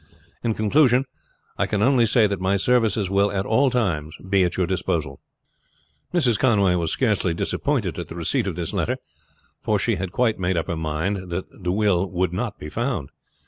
In conclusion, I can only say that my services will at all times be at your disposal." Mrs. Conway was scarcely disappointed at the receipt of this letter, for she had quite made up her mind that the will would not be found.